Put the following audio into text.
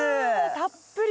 たっぷり！